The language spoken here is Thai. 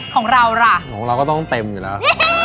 ของเราล่ะของเราก็ต้องเต็มอยู่แล้ว